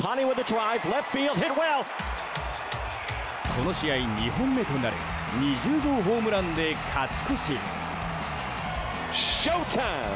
この試合２本目となる２０号ホームランで勝ち越し！